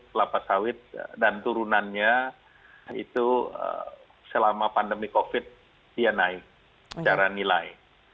kelapa sawit dan turunannya itu selama pandemi covid dia naik secara nilai